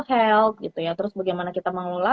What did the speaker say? health gitu ya terus bagaimana kita mengelola